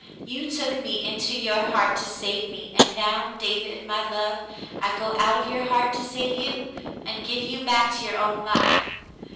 You took me into your heart to save me, and now, David my love, I go out of your heart to save you, and give you back to your own life.